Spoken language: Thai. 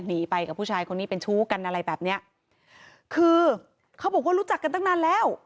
หนีไปกับผู้ชายคนนี้เป็นชู้กันอะไรแบบเนี้ยคือเขาบอกว่ารู้จักกันตั้งนานแล้ว